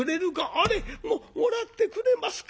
「あれ！もらってくれますか！